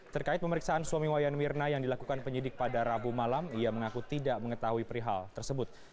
terkait pemeriksaan suami wayan mirna yang dilakukan penyidik pada rabu malam ia mengaku tidak mengetahui perihal tersebut